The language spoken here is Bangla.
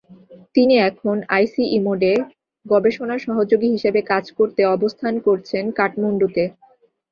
তিনি এখন আইসিইমোডে গবেষণা সহযোগী হিসেবে কাজ করতে অবস্থান করছেন কাঠমান্ডুতে।